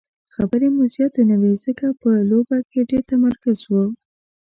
خبرې مو زیاتې نه وې ځکه په لوبه کې ډېر تمرکز وو.